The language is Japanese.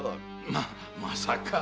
ままさか！